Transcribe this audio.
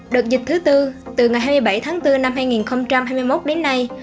đợt dịch thứ tư từ ngày hai mươi bảy tháng bốn năm hai nghìn hai mươi một đến nay